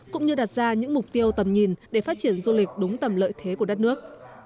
cũng như đặt ra những mục tiêu tầm nhìn để phát triển du lịch đúng tầm lợi thế của đất nước